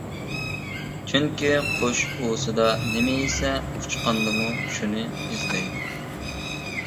چۈنكى: قۇش ئۇۋىسىدا نېمە يېسە، ئۇچقاندىمۇ شۇنى ئىزدەيدۇ!